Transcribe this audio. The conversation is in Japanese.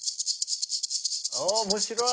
お面白い！